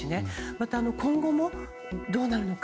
また、今後もどうなるのか。